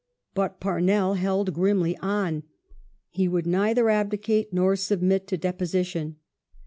Rut Parnell held grimly on. He would neither abdicate, nor submit to deposition.